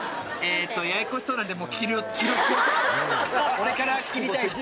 俺から切りたいっす